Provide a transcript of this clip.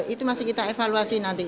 itu masih kita evaluasi nanti